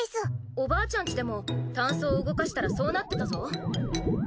おばあちゃんちでもタンスを動かしたらそうなってたぞ。